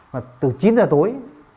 mà từ chín giờ tối